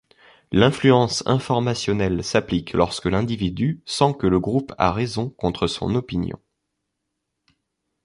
L'influence informationnelle s'applique lorsque l'individu sent que le groupe à raison contre son opinion.